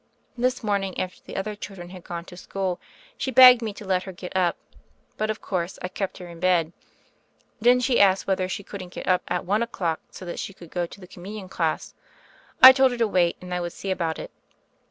This morning, after the other chil dren had gone to school, she begged me to let her get up; but, of course, I kept her in bed. Then she asked whether she couldn't get up at one o'clock, so that she could go to the Com munion class. I told her to wait and I would see about it.